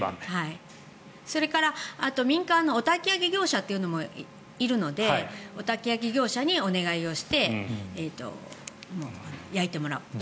それから民間のおたき上げ業者もいるのでおたき上げ業者にお願いをして焼いてもらう。